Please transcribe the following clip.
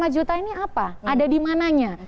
dua puluh lima juta ini apa ada di mananya